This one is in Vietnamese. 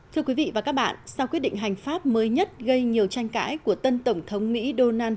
thưa quý vị và các bạn sau quyết định hành pháp mới nhất gây nhiều tranh cãi của tân tổng thống mỹ donald trump